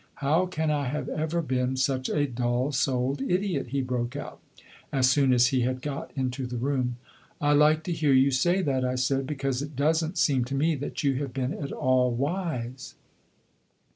'How can I have ever been such a dull souled idiot?' he broke out, as soon as he had got into the room. 'I like to hear you say that,' I said, 'because it does n't seem to me that you have been at all wise.